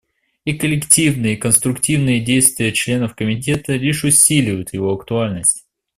И коллективные и конструктивные действия членов Комитета лишь усиливают его актуальность.